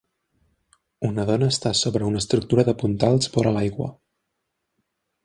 Una dona està sobre una estructura de puntals vora l'aigua.